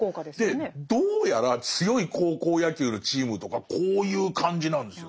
でどうやら強い高校野球のチームとかこういう感じなんですよ。